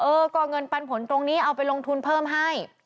เออก็เงินปันผลตรงนี้เอาไปลงทุนเพิ่มให้